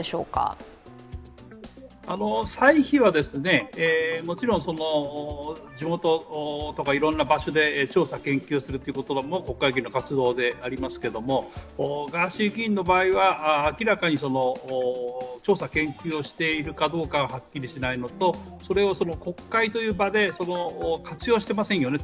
歳費はもちろん地元とかいろんな場所で調査研究するというのが国会議員の活動でありますけれども、ガーシー議員の場合は明らかに調査研究をしているかどうかははっきりしないのと、それを国会という場で活用してませんよね。